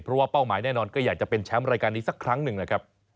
เพราะว่าเป้าหมายแน่นอนก็อยากจะเป็นแชมป์รายการนี้สักครั้งหนึ่งนะครับ